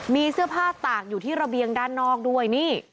มีเสื้อผ้าตากอยู่ที่ระเบียงด้านนอกด้วยนี่